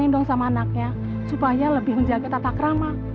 bikin dong sama anaknya supaya lebih menjaga tatak ramah